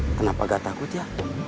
kenapa gak takut ya